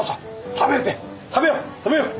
食べよう食べようねっ！